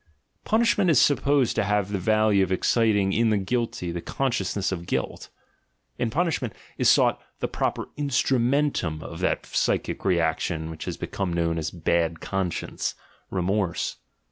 Punishment is supposed to have the value of exciting in the guilty the consciousness of guilt; in punishment is sought the proper instrumcntum of that psychic reaction which becomes known as a "bad conscience," "remorse."